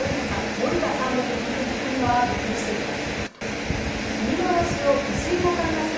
森田さんもこの結果にはびっくりしています。